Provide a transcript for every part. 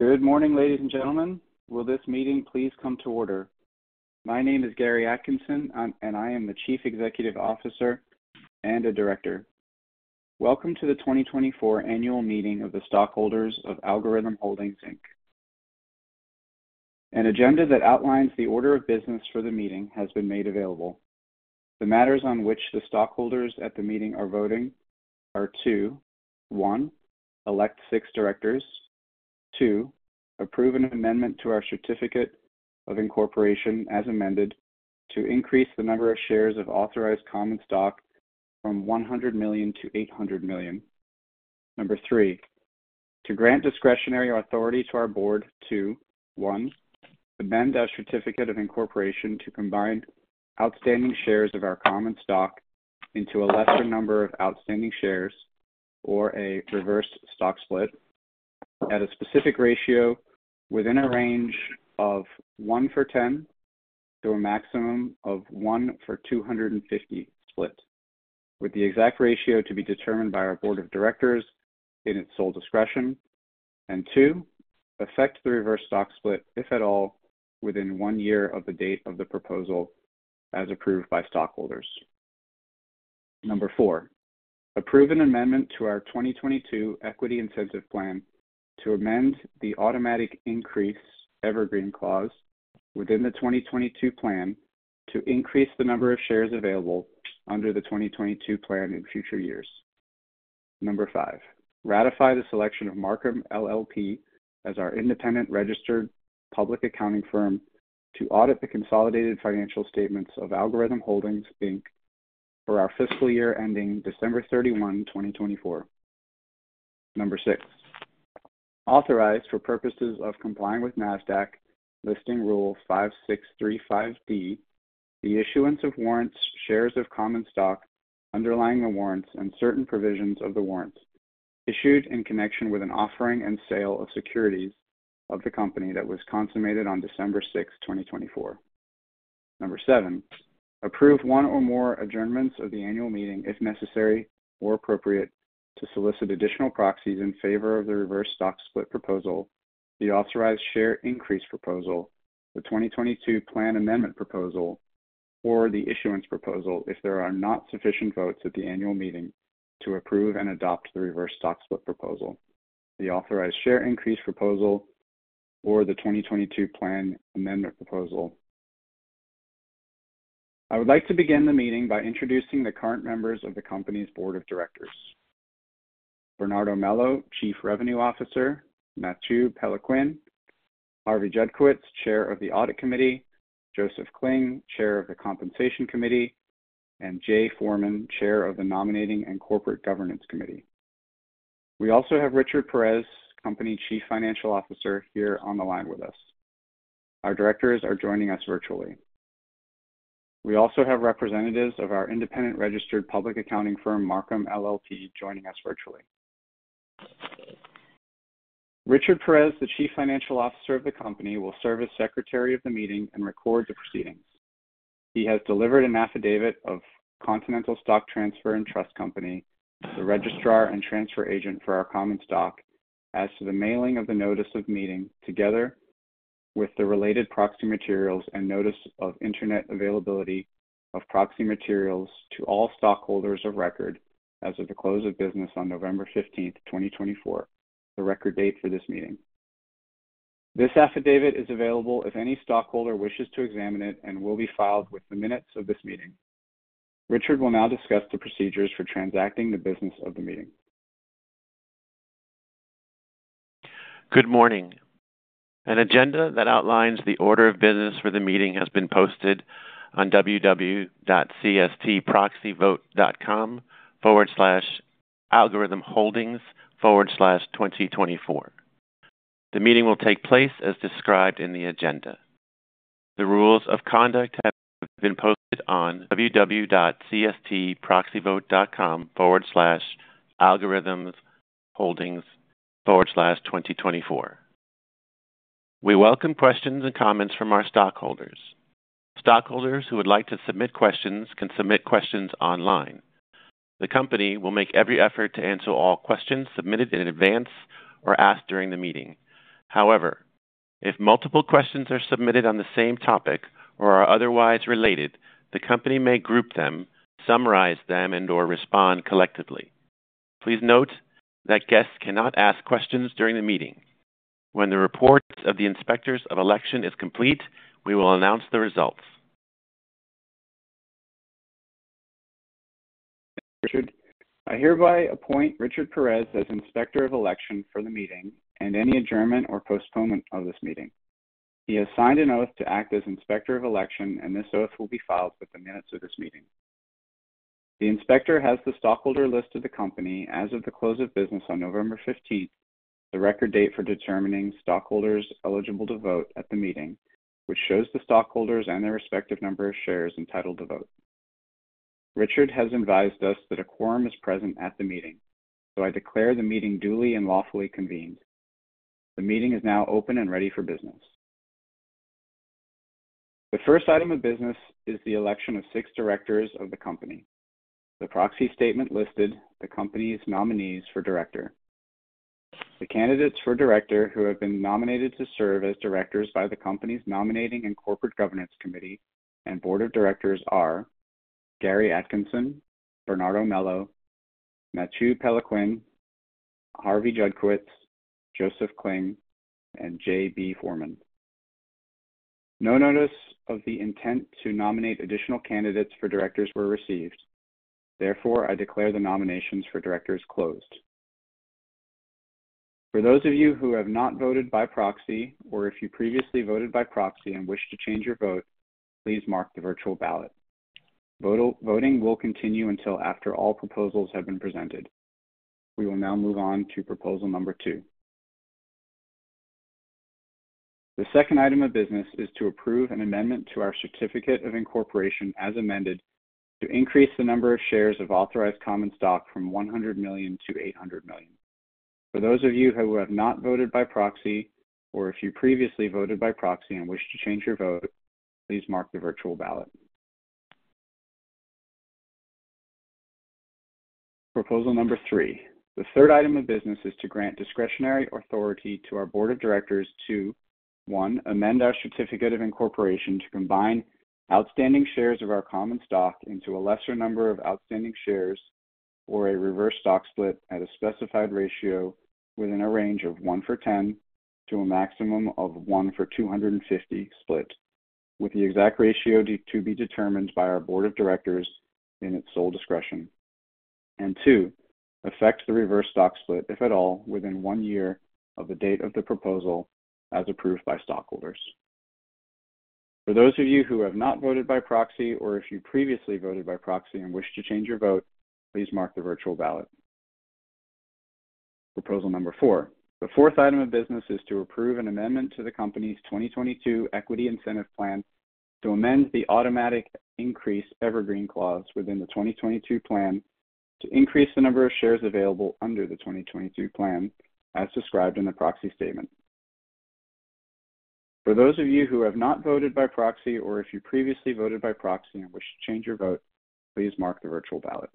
Good morning, ladies and gentlemen. Will this meeting please come to order? My name is Gary Atkinson, and I am the Chief Executive Officer and a Director. Welcome to the 2024 Annual Meeting of the Stockholders of Algorhythm Holdings, Inc. An agenda that outlines the order of business for the meeting has been made available. The matters on which the stockholders at the meeting are voting are to: 1) elect six directors, 2) approve an amendment to our certificate of incorporation as amended to increase the number of shares of authorized common stock from 100 million to 800 million, 3) to grant discretionary authority to our board to: 1) amend our certificate of incorporation to combine outstanding shares of our common stock into a lesser number of outstanding shares or a reverse stock split at a specific ratio within a range of 1 for 10 to a maximum of 1 for 250 split, with the exact ratio to be determined by our board of directors in its sole discretion, and 2) effect the reverse stock split, if at all, within one year of the date of the proposal as approved by stockholders. 4) approve an amendment to our 2022 Equity Incentive Plan to amend the automatic increase (Evergreen Clause) within the 2022 Plan to increase the number of shares available under the 2022 Plan in future years. 5) ratify the selection of Marcum LLP as our independent registered public accounting firm to audit the consolidated financial statements of Algorhythm Holdings, Inc. for our fiscal year ending December 31, 2024. 6) authorize, for purposes of complying with Nasdaq Listing Rule 5635(d), the issuance of warrants, shares of common stock underlying the warrants and certain provisions of the warrants issued in connection with an offering and sale of securities of the company that was consummated on December 6, 2024. 7) approve one or more adjournments of the annual meeting if necessary or appropriate to solicit additional proxies in favor of the reverse stock split proposal, the authorized share increase proposal, the 2022 Plan amendment proposal, or the issuance proposal if there are not sufficient votes at the annual meeting to approve and adopt the reverse stock split proposal, the authorized share increase proposal, or the 2022 Plan amendment proposal. I would like to begin the meeting by introducing the current members of the company's board of directors: Bernardo Melo, Chief Revenue Officer; Mathieu Peloquin; Harvey Judkowitz, Chair of the Audit Committee; Joseph Kling, Chair of the Compensation Committee; and Jay Foreman, Chair of the Nominating and Corporate Governance Committee. We also have Richard Perez, company's Chief Financial Officer, here on the line with us. Our directors are joining us virtually. We also have representatives of our independent registered public accounting firm, Marcum LLP, joining us virtually. Richard Perez, the Chief Financial Officer of the company, will serve as Secretary of the meeting and record the proceedings. He has delivered an affidavit of Continental Stock Transfer and Trust Company, the registrar and transfer agent for our common stock, as to the mailing of the notice of meeting, together with the related proxy materials and notice of internet availability of proxy materials to all stockholders of record as of the close of business on November 15, 2024, the record date for this meeting. This affidavit is available if any stockholder wishes to examine it and will be filed within the minutes of this meeting. Richard will now discuss the procedures for transacting the business of the meeting. Good morning. An agenda that outlines the order of business for the meeting has been posted on www.cstproxyvote.com/AlgorhythmHoldings/2024. The meeting will take place as described in the agenda. The rules of conduct have been posted on www.cstproxyvote.com/AlgorhythmHoldings/2024. We welcome questions and comments from our stockholders. Stockholders who would like to submit questions can submit questions online. The company will make every effort to answer all questions submitted in advance or asked during the meeting. However, if multiple questions are submitted on the same topic or are otherwise related, the company may group them, summarize them, and/or respond collectively. Please note that guests cannot ask questions during the meeting. When the report of the inspectors of election is complete, we will announce the results. Thank you, Richard. I hereby appoint Richard Perez as Inspector of Election for the meeting and any adjournment or postponement of this meeting. He has signed an oath to act as Inspector of Election, and this oath will be filed within the minutes of this meeting. The inspector has the stockholder list of the company as of the close of business on November 15, the record date for determining stockholders eligible to vote at the meeting, which shows the stockholders and their respective number of shares entitled to vote. Richard has advised us that a quorum is present at the meeting, so I declare the meeting duly and lawfully convened. The meeting is now open and ready for business. The first item of business is the election of six directors of the company. The proxy statement listed the company's nominees for director. The candidates for director who have been nominated to serve as directors by the company's Nominating and Corporate Governance Committee and Board of Directors are Gary Atkinson, Bernardo Melo, Mathieu Peloquin, Harvey Judkowitz, Joseph Kling, and Jay B. Foreman. No notice of the intent to nominate additional candidates for directors were received. Therefore, I declare the nominations for directors closed. For those of you who have not voted by proxy or if you previously voted by proxy and wish to change your vote, please mark the virtual ballot. Voting will continue until after all proposals have been presented. We will now move on to proposal number two. The second item of business is to approve an amendment to our certificate of incorporation as amended to increase the number of shares of authorized common stock from 100 million to 800 million. For those of you who have not voted by proxy or if you previously voted by proxy and wish to change your vote, please mark the virtual ballot. Proposal number three. The third item of business is to grant discretionary authority to our board of directors to: 1) amend our certificate of incorporation to combine outstanding shares of our common stock into a lesser number of outstanding shares or a reverse stock split at a specified ratio within a range of 1-for-10 to a maximum of 1-for-250 split, with the exact ratio to be determined by our board of directors in its sole discretion, and 2) effect the reverse stock split, if at all, within one year of the date of the proposal as approved by stockholders. For those of you who have not voted by proxy or if you previously voted by proxy and wish to change your vote, please mark the virtual ballot. Proposal number four. The fourth item of business is to approve an amendment to the company's 2022 Equity Incentive Plan to amend the automatic increase (Evergreen Clause) within the 2022 Plan to increase the number of shares available under the 2022 Plan as described in the proxy statement. For those of you who have not voted by proxy or if you previously voted by proxy and wish to change your vote, please mark the virtual ballot.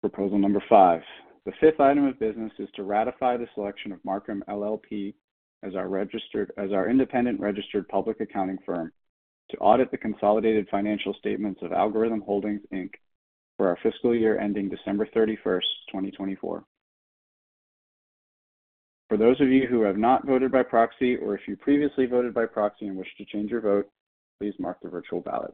Proposal number five. The fifth item of business is to ratify the selection of Marcum LLP as our independent registered public accounting firm to audit the consolidated financial statements of Algorhythm Holdings, Inc. for our fiscal year ending December 31, 2024. For those of you who have not voted by proxy or if you previously voted by proxy and wish to change your vote, please mark the virtual ballot.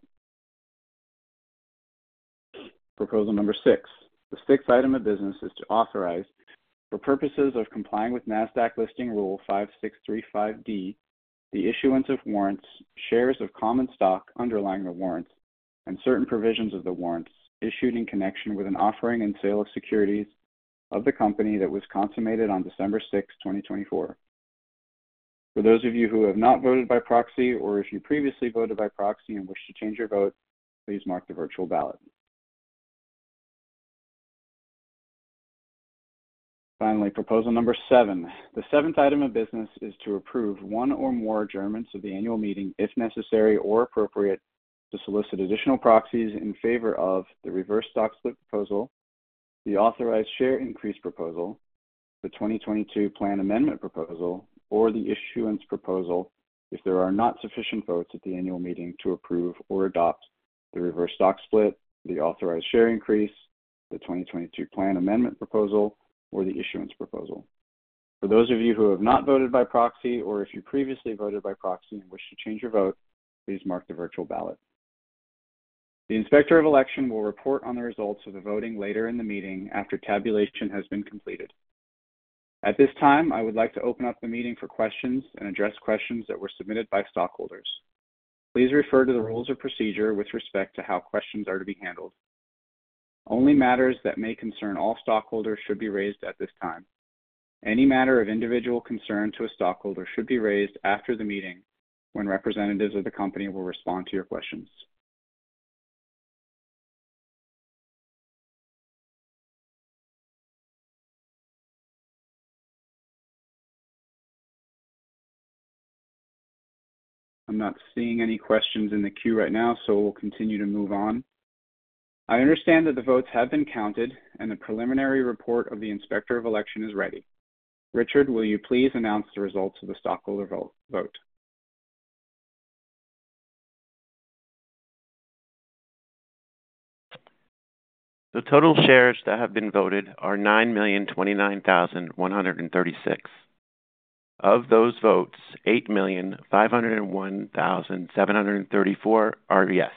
Proposal number six. The sixth item of business is to authorize, for purposes of complying with Nasdaq Listing Rule 5635(d), the issuance of warrants, shares of common stock underlying the warrants, and certain provisions of the warrants issued in connection with an offering and sale of securities of the company that was consummated on December 6, 2024. For those of you who have not voted by proxy or if you previously voted by proxy and wish to change your vote, please mark the virtual ballot. Finally, Proposal number seven. The seventh item of business is to approve one or more adjournments of the annual meeting if necessary or appropriate to solicit additional proxies in favor of the reverse stock split proposal, the authorized share increase proposal, the 2022 Plan amendment proposal, or the issuance proposal if there are not sufficient votes at the annual meeting to approve or adopt the reverse stock split, the authorized share increase, the 2022 Plan amendment proposal, or the issuance proposal. For those of you who have not voted by proxy or if you previously voted by proxy and wish to change your vote, please mark the virtual ballot. The Inspector of Election will report on the results of the voting later in the meeting after tabulation has been completed. At this time, I would like to open up the meeting for questions and address questions that were submitted by stockholders. Please refer to the rules of procedure with respect to how questions are to be handled. Only matters that may concern all stockholders should be raised at this time. Any matter of individual concern to a stockholder should be raised after the meeting when representatives of the company will respond to your questions. I'm not seeing any questions in the queue right now, so we'll continue to move on. I understand that the votes have been counted and the preliminary report of the Inspector of Election is ready. Richard, will you please announce the results of the stockholder vote? The total shares that have been voted are 9,029,136. Of those votes, 8,501,734 are yes,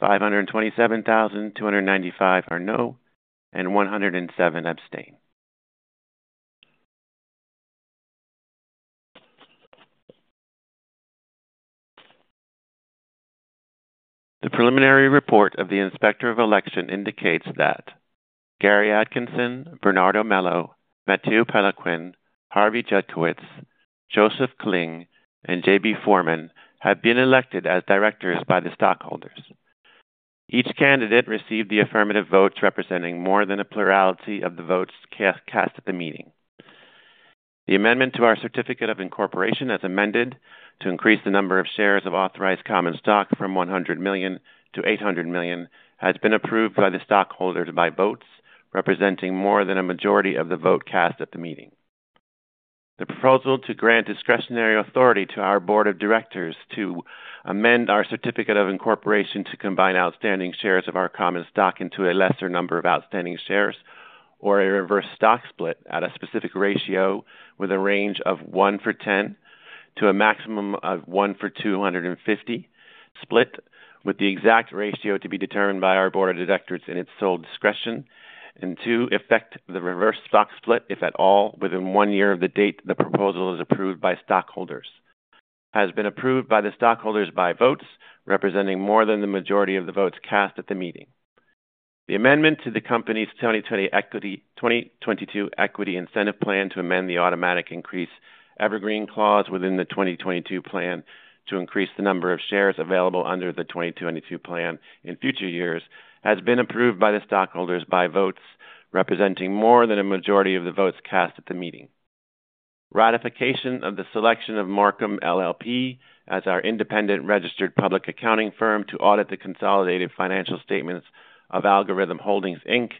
527,295 are no, and 107 abstain. The preliminary report of the Inspector of Election indicates that Gary Atkinson, Bernardo Melo, Mathieu Peloquin, Harvey Judkowitz, Joseph Kling, and Jay B. Foreman have been elected as directors by the stockholders. Each candidate received the affirmative votes representing more than a plurality of the votes cast at the meeting. The amendment to our certificate of incorporation as amended to increase the number of shares of authorized common stock from 100 million to 800 million has been approved by the stockholders by votes representing more than a majority of the vote cast at the meeting. The proposal to grant discretionary authority to our board of directors to amend our certificate of incorporation to combine outstanding shares of our common stock into a lesser number of outstanding shares or a reverse stock split at a specific ratio with a range of 1 for 10 to a maximum of 1 for 250 split, with the exact ratio to be determined by our board of directors in its sole discretion, and 2) effect the reverse stock split, if at all, within one year of the date the proposal is approved by stockholders has been approved by the stockholders by votes representing more than the majority of the votes cast at the meeting. The amendment to the company's 2022 Equity Incentive Plan to amend the automatic increase (Evergreen Clause) within the 2022 Plan to increase the number of shares available under the 2022 Plan in future years has been approved by the stockholders by votes representing more than a majority of the votes cast at the meeting. Ratification of the selection of Marcum LLP as our independent registered public accounting firm to audit the consolidated financial statements of Algorhythm Holdings, Inc.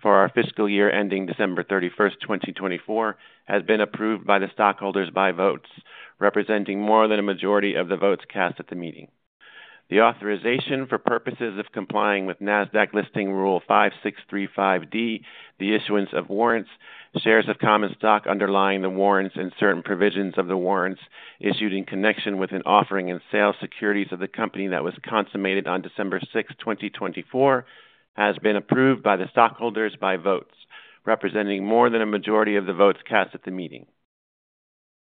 for our fiscal year ending December 31, 2024 has been approved by the stockholders by votes representing more than a majority of the votes cast at the meeting. The authorization for purposes of complying with Nasdaq Listing Rule 5635(d), the issuance of warrants, shares of common stock underlying the warrants, and certain provisions of the warrants issued in connection with an offering and sale of securities of the company that was consummated on December 6, 2024 has been approved by the stockholders by votes representing more than a majority of the votes cast at the meeting.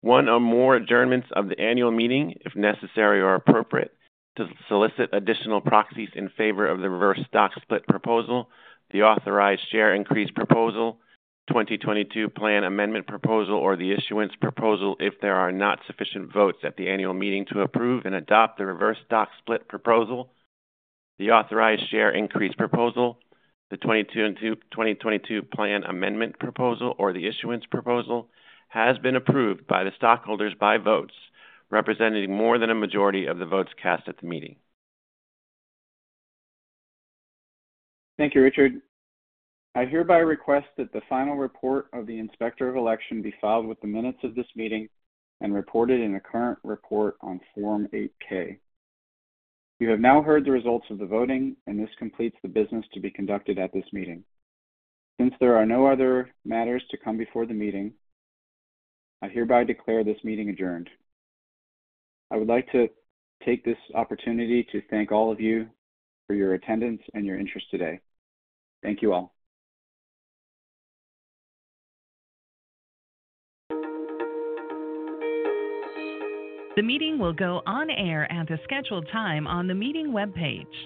One or more adjournments of the annual meeting, if necessary or appropriate, to solicit additional proxies in favor of the reverse stock split proposal, the authorized share increase proposal, the 2022 Plan amendment proposal, or the issuance proposal if there are not sufficient votes at the annual meeting to approve and adopt the reverse stock split proposal, the authorized share increase proposal, the 2022 Plan amendment proposal, or the issuance proposal has been approved by the stockholders by votes representing more than a majority of the votes cast at the meeting. Thank you, Richard. I hereby request that the final report of the Inspector of Election be filed with the minutes of this meeting and reported in a current report on Form 8-K. You have now heard the results of the voting, and this completes the business to be conducted at this meeting. Since there are no other matters to come before the meeting, I hereby declare this meeting adjourned. I would like to take this opportunity to thank all of you for your attendance and your interest today. Thank you all. The meeting will go on air at the scheduled time on the meeting webpage.